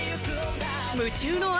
夢中の汗。